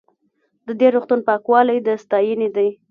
د دې روغتون پاکوالی د ستاینې دی.